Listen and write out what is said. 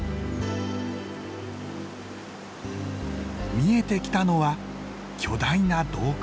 見えてきたのは巨大な洞窟。